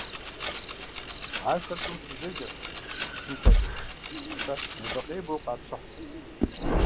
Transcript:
Ахэр щӀым щызежэркъым, псым хуэдэу, атӀэ небэкъебэу къапщыхь.